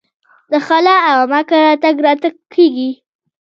د خاله او عمه کره تګ راتګ کیږي.